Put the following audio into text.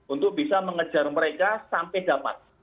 untuk bisa mengejar mereka sampai dapat